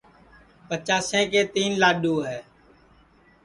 پچاسیں کے تیں لاڈؔو ہے